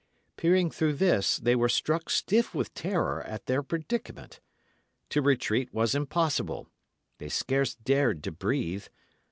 Peering through this, they were struck stiff with terror at their predicament. To retreat was impossible; they scarce dared to breathe.